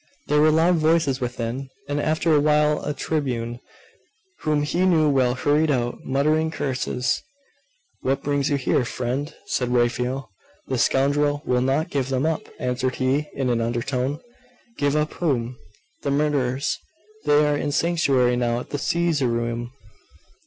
There were loud voices within; and after a while a tribune whom he knew well hurried out, muttering curses 'What brings you here, friend?' said Raphael. 'The scoundrel will not give them up,' answered he, in an undertone. 'Give up whom?' 'The murderers. They are in sanctuary now at the Caesareum.